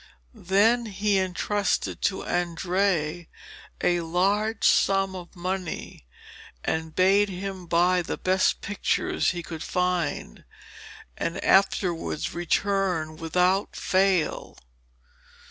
Then he entrusted to Andrea a large sum of money and bade him buy the best pictures he could find, and afterwards return without fail.